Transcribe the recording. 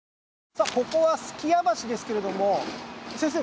さあここは数寄屋橋ですけれども先生